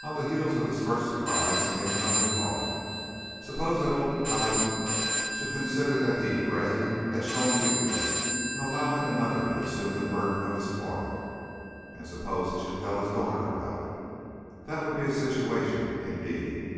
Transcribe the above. On the heels of his first surprise came another thought; suppose that old Paladin should consider that he, Gray, had shown weakness in allowing another to assume the burden of his quarrel? And suppose he should tell his daughter about it! That would be a situation, indeed.